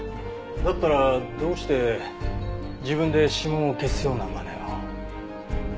だったらどうして自分で指紋を消すようなまねを。